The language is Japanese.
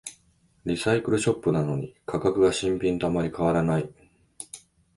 リサイクルショップなのに価格が新品とあまり変わらない